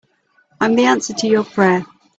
I'm the answer to your prayer.